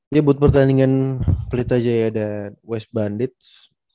iya buat pertandingan pelit aja ya ada west bandits